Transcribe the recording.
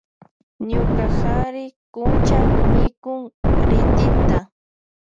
Ñuka kari kuncha mikun ritita.